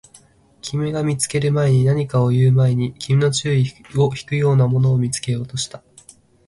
君が見つける前に、何かを言う前に、君の注意を引くようなものを見つけようとした